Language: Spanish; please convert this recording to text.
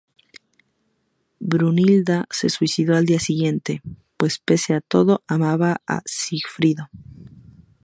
Brunilda se suicidó al día siguiente, pues pese a todo amaba a Sigfrido.